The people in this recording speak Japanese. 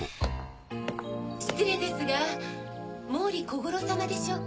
失礼ですが毛利小五郎様でしょうか？